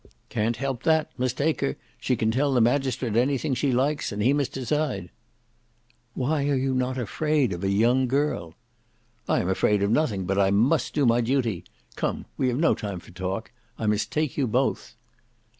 "Can't help that; must take her; she can tell the magistrate anything she likes, and he must decide." "Why you are not afraid of a young girl?" "I am afraid of nothing; but I must do my duty. Come we have no time for talk. I must take you both."